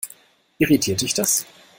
Irritiert dich das?